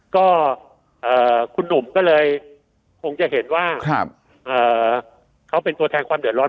ก็คุณหนุ่มก็เลยคงจะเห็นว่าเขาเป็นตัวแทนความเดือดร้อน